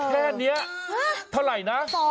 แค่นี้เท่าไหร่นะ